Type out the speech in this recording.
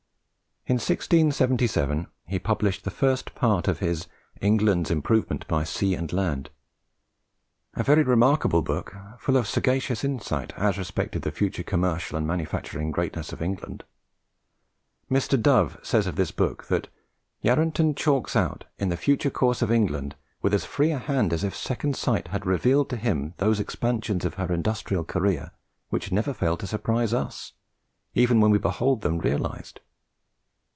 In 1677 he published the first part of his England's Improvement by Sea and Land a very remarkable book, full of sagacious insight as respected the future commercial and manufacturing greatness of England. Mr. Dove says of this book that "Yarranton chalks out in it the future course of Britain with as free a hand as if second sight had revealed to him those expansions of her industrial career which never fail to surprise us, even when we behold them realized."